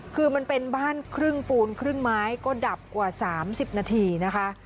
คือมันเป็นบ้านครึ่งปูนครึ่งไม้ก็ดับกว่า๓๐นาทีนะคะ